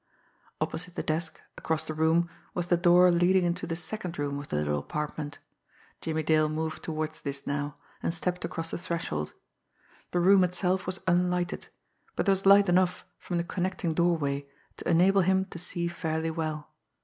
Opposite the desk, across the room, was the door leading into the second room of the little apartment. Jimmie Dale moved toward this now, and stepped across the threshold. The room itself was unlighted, but there was light enough from the connecting doorway to enable him to see fairly well.